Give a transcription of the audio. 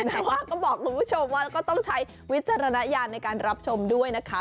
แต่ว่าก็บอกคุณผู้ชมว่าแล้วก็ต้องใช้วิจารณญาณในการรับชมด้วยนะคะ